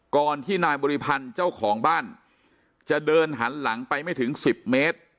ก่อนที่นายบริพันธ์เจ้าของบ้านจะเดินหันหลังไปไม่ถึง๑๐เมตร